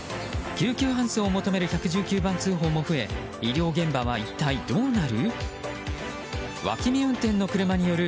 救急搬送を求める１１９番通報も増え医療現場は一体どうなる？